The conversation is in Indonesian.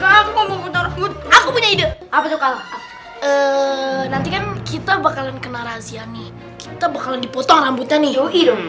aku punya ide nanti kan kita bakalan kena razia nih kita bakalan dipotong rambutnya